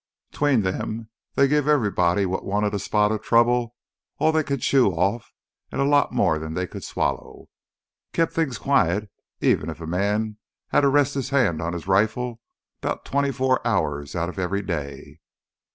'Tween 'em they give everybody wot wanted a spot of trouble all they could chew off an' a lot more'n they could swallow. Kept things quiet even if a man hadda rest his hand on his rifle 'bout twenty four hours outta every day.